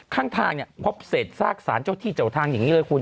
ข้างทางเนี่ยพบเศษซากสารเจ้าที่เจ้าทางอย่างนี้เลยคุณ